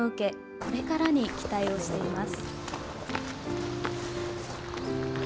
これからに期待をしています。